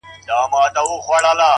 • نن به ریږدي د فرنګ د زوی ورنونه,